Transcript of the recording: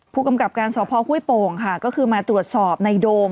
ผู้กำกับการสพห้วยโป่งค่ะก็คือมาตรวจสอบในโดม